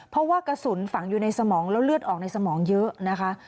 เพราะว่ากระสุนฝังอยู่ในสมองแล้วเลือดออกในสมองเยอะนะคะ